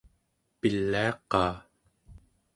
piliaqaa